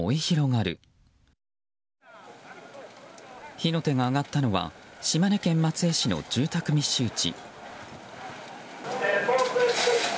火の手が上がったのは島根県松江市の住宅密集地。